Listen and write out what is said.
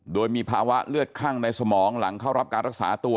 โดยมีภาวะเลือดคั่งในสมองหลังเข้ารับการรักษาตัว